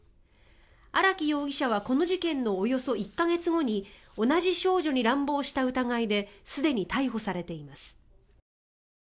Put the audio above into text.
荒木容疑者はこの事件のおよそ１か月後に同じ少女に乱暴した疑いですでに逮捕されています。